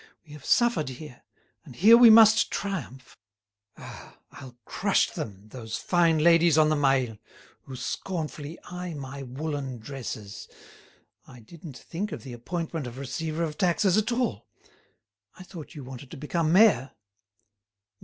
"We have suffered here, and here we must triumph. Ah! I'll crush them all, those fine ladies on the Mail, who scornfully eye my woollen dresses! I didn't think of the appointment of receiver of taxes at all; I thought you wanted to become mayor."